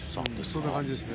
そんな感じですね。